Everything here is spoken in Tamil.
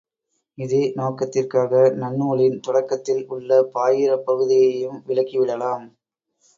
இதே நோக்கத்திற்காக, நன்னூலின் தொடக்கத்தில் உள்ள பாயிரப் பகுதியையும் விலக்கிவிடலாம்.